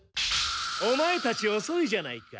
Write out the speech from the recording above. オマエたちおそいじゃないか。